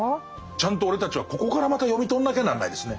ちゃんと俺たちはここからまた読み取んなきゃなんないですね。